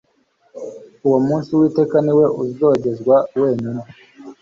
uwo munsi Uwiteka ni we uzogezwa wenyine